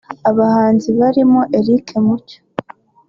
abahanzi barimo Eric Mucyo